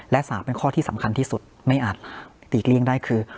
และ๓เป็นข้อที่สำคัญที่สุดไม่อาจหลีกเลี่ยงได้คือ